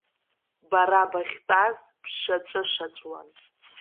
Бара бахьтәаз бшаҵәышаҵәуан.